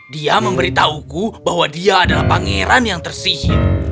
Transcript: dia memberitahuku bahwa dia adalah pangeran yang tersihir